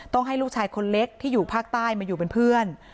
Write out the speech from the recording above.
ให้ลูกชายคนเล็กที่อยู่ภาคใต้มาอยู่เป็นเพื่อน